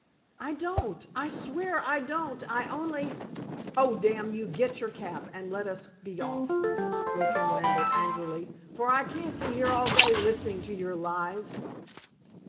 "I don't I swear I don't! I only " "Oh, damn you, get your cap, and let us be off," broke in Lambert angrily, "for I can't be here all day listening to your lies."